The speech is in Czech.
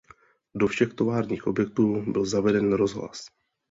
Do všech továrních objektů byl zaveden rozhlas.